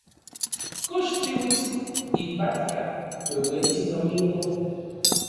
¿Kox tiuits ipatka ueuetsin Domingo?